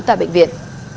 tại bệnh viện